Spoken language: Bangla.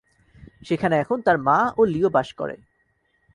সেখানে এখন তার মা ও লিও বাস করে।